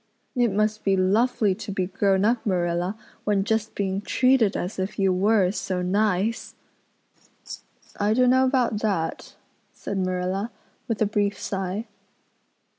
It must be lovely to be grown up, Marilla, when just being treated as if you were is so nice." "I don't know about that," said Marilla, with a brief sigh.